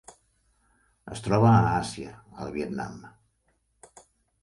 Es troba a Àsia: el Vietnam.